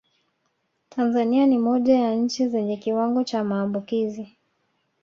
Tanzania ni moja ya nchi zenye kiwango cha maambukizi